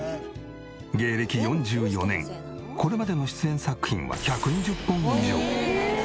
芸歴４４年これまでの出演作品は１２０本以上！